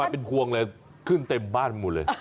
เป็นพวงเลยขึ้นเต็มบ้านหมดเลย